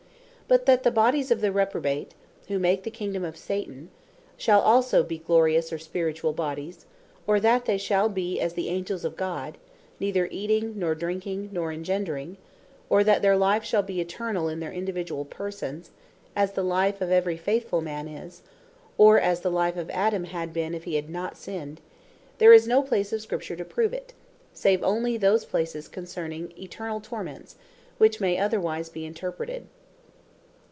But that the bodies of the Reprobate, who make the Kingdome of Satan, shall also be glorious, or spirituall bodies, or that they shall bee as the Angels of God, neither eating, nor drinking, nor engendring; or that their life shall be Eternall in their individuall persons, as the life of every faithfull man is, or as the life of Adam had been if hee had not sinned, there is no place of Scripture to prove it; save onely these places concerning Eternall Torments; which may otherwise be interpreted.